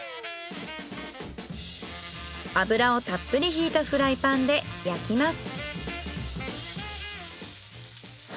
油をたっぷり引いたフライパンで焼きます。